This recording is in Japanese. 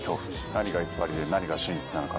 何が偽りで何が真実なのか。